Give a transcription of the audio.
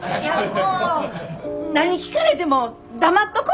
もう何聞かれても黙っとこ。